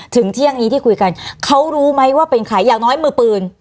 เที่ยงนี้ที่คุยกันเขารู้ไหมว่าเป็นใครอย่างน้อยมือปืน